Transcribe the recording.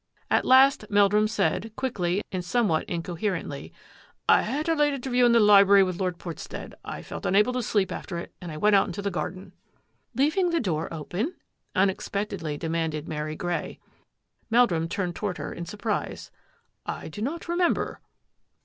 At last Meldrum said, quickly and somewhat in coherently, " I had a late interview in the library with Lord Portstead. I felt unable to sleep after it and I went out into the garden." "Leaving the door open?" unexpectedly de manded Mary Grey. Meldrum turned toward her in surprise. " I do not remember."